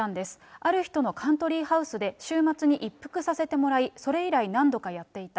ある人のカントリーハウスで週末に一服させてもらい、それ以来、何度かやっていた。